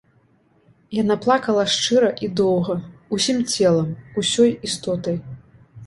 Яна плакала шчыра і доўга, усім целам, усёй істотай.